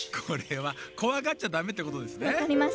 これはこわがっちゃダメってことですね。